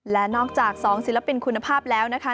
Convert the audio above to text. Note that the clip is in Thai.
และนอกจาก๒ศิลปินคุณภาพแล้วนะคะ